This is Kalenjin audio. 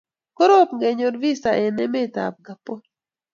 Korom kenyor visa eng emetab Gabon